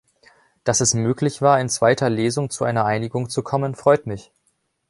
Dass es möglich war, in zweiter Lesung zu einer Einigung zu kommen, freut mich.